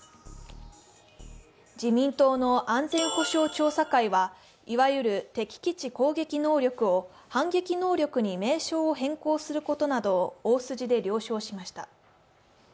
自民党の安全保障調査会はいわゆる敵基地攻撃能力を反撃能力に名称を変更することなどを大筋で了承しました。